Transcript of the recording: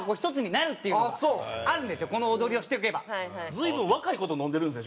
随分若い子と飲んでるんですね